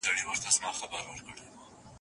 پرمختللي سړکونه د سوداګرۍ لپاره اړین دي.